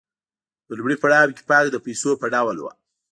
په لومړي پړاو کې پانګه د پیسو په ډول وه